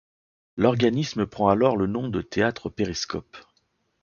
L’organisme prend alors le nom de Théâtre Périscope.